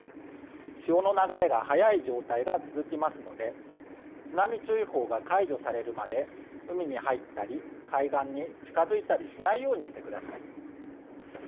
潮の流れが速い状態が続きますので津波注意報が解除されるまで海に入ったり、海岸に近づいたりしないようにしてください。